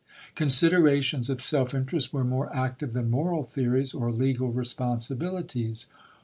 Considerations of self inter est were more active than moral theories or legal responsibilities.